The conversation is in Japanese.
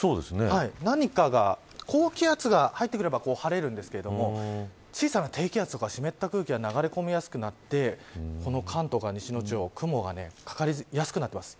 何かが、高気圧が入ってくれば晴れるんですが小さな低気圧とか湿った空気が流れ込みやすくなってこの関東から西の地方雲がかかりやすくなっています。